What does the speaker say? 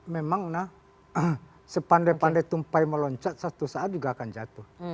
karena sepandai pandai tumpai meloncat satu saat juga akan jatuh